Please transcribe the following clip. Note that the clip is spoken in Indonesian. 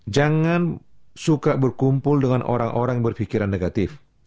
jangan suka berkumpul dengan orang orang yang berpikiran negatif